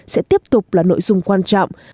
sẽ tiếp tục là nội dung quan trọng